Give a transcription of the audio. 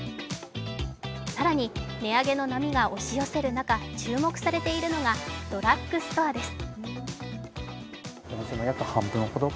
更に値上げの波が押し寄せる中注目されているのがドラッグストアです。